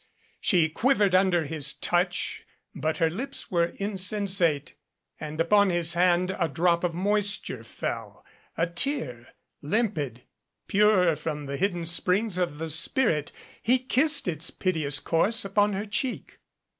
She quivered under his touch, but her lips were insensate, and upon his hand a drop of moisture fell a tear limpid, pure from the hidden springs of the spirit. He kissed its piteous course upon her cheek.